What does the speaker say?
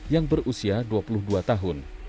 yang berusia dua puluh dua tahun